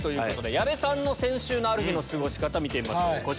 矢部さんの先週のある日の過ごし方見てみましょう。